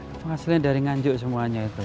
itu hasilnya dari nganjuk semuanya itu